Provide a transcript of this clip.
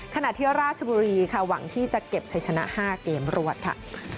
ขณะที่ราชบุรีค่ะหวังที่จะเก็บชัยชนะ๕เกมรวดค่ะ